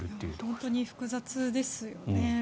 本当に複雑ですよね。